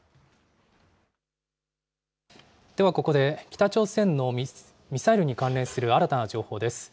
ではここで、北朝鮮のミサイルに関連する新たな情報です。